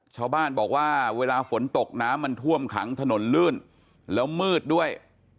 ชาวบ้านบอกว่าเวลาฝนตกน้ำมันท่วมขังถนนลื่นแล้วมืดด้วย